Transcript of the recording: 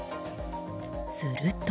すると。